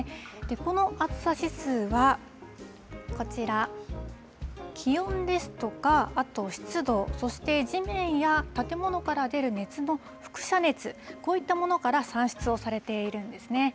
この暑さ指数はこちら、気温ですとか、あと湿度、そして地面や建物から出る熱のふく射熱、こういったものから算出をされているんですね。